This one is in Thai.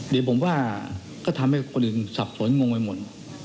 เดี๋ยวผมว่าก็ทำให้คนอื่นสับสนงงไปหมด